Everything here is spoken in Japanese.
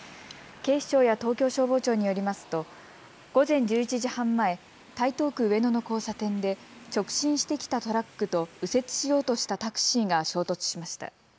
警視庁や東京消防庁によりますと午前１１時半前、台東区上野の交差点で直進してきたトラックと右折しようとしたタクシーが衝突しました。